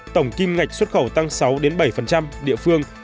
tổng kim ngạch xuất khẩu tăng sáu bảy địa phương